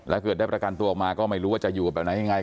แล้วเกิดได้ประกันตัวออกมาก็ไม่รู้ว่าจะอยู่กับแบบไหนยังไง